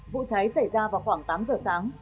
vụ cháy xảy ra vào khoảng tám giờ sáng